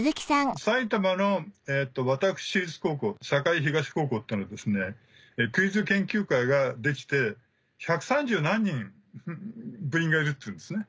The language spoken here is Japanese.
埼玉の私立高校栄東高校っていうのはクイズ研究会ができて１３０何人部員がいるっていうんですね。